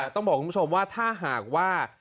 ต้องบอกคุณผู้ชมว่าถ้าหากว่า